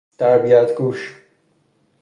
تربیت گوش